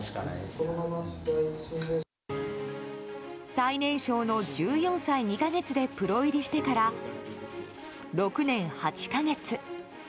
最年少の１４歳２か月でプロ入りしてから６年８か月。